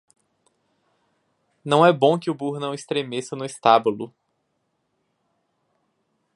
Não é bom que o burro não estremeça no estábulo.